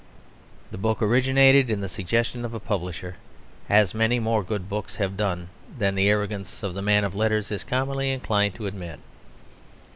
The book originated in the suggestion of a publisher; as many more good books have done than the arrogance of the man of letters is commonly inclined to admit.